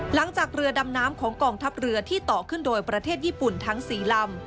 หลังจากเรือดำน้ำของกองทัพเรือที่ต่อขึ้นโดยประเทศญี่ปุ่นทั้ง๔ลำ